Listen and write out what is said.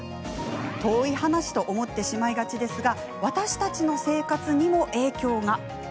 遠い話と思ってしまいがちですが私たちの生活にも影響が。